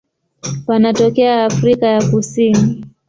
Wanatokea Afrika ya Kusini.